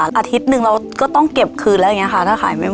อาทิตย์หนึ่งเราก็ต้องเก็บคืนแล้วอย่างนี้ค่ะถ้าขายไม่หมด